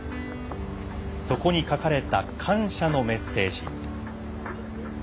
そこに書かれた感謝のメッセージ。